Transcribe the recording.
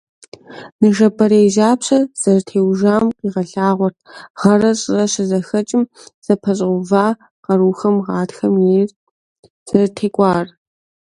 Ныжэбэрей жьапщэр зэрытеужам къигъэлъагъуэрт гъэрэ щӀырэ щызэхэкӀым зэпэщӀэува къарухэм гъатхэм ейр зэрытекӀуар.